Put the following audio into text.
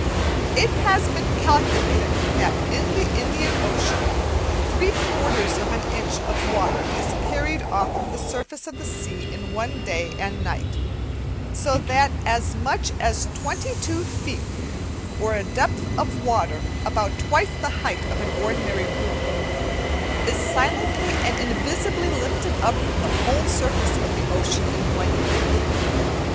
It has been calculated that in the Indian Ocean three quarters of an inch of water is carried off from the surface of the sea in one day and night; so that as much as 22 feet, or a depth of water about twice the height of an ordinary room, is silently and invisibly lifted up from the whole surface of the ocean in one year.